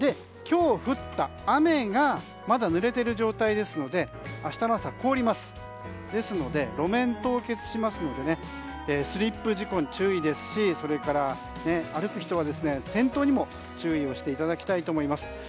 今日降った雨がまだぬれている状態ですので明日の朝、凍りますので路面凍結しますのでスリップ事故に注意ですしそれから、歩く人は転倒にも注意していただきたいと思います。